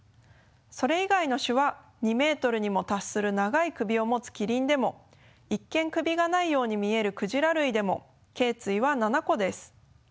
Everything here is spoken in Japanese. それ以外の種は２ｍにも達する長い首を持つキリンでも一見首がないように見えるクジラ類でもけい椎は７個です。